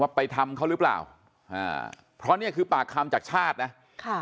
ไปทำเขาหรือเปล่าอ่าเพราะเนี้ยคือปากคำจากชาตินะค่ะ